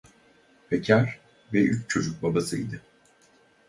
Bekâr ve üç çocuk babasıydı.